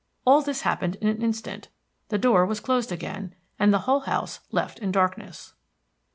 All this happened in an instant. The door was closed again, and the whole house left in darkness.